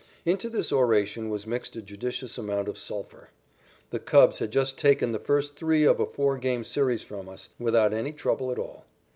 Into this oration was mixed a judicious amount of sulphur. The Cubs had just taken the first three of a four game series from us without any trouble at all.